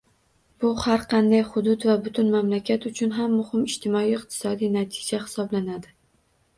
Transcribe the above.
Bu har qanday hudud va butun mamlakat uchun ham muhim ijtimoiy-iqtisodiy natija hisoblanadi.